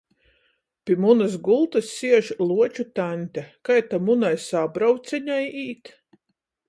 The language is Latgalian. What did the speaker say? Pi munys gultys siež Luoču taņte: Kai ta munai sābrovceņai īt?